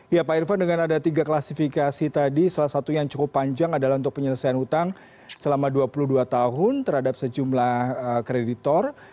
ya pak irfan dengan ada tiga klasifikasi tadi salah satu yang cukup panjang adalah untuk penyelesaian utang selama dua puluh dua tahun terhadap sejumlah kreditor